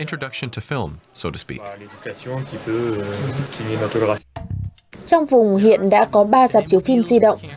trong vùng hiện đã có ba dạp chiếu phim di động